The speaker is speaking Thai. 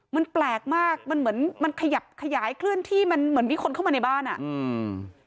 มันแปลกมากมันเหมือนมันขยับขยายเคลื่อนที่มันเหมือนมีคนเข้ามาในบ้านอ่ะอืม